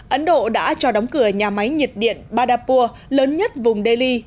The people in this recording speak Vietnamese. ấn độ đã cho đóng cửa nhà máy nhiệt điện badapur lớn nhất vùng delhi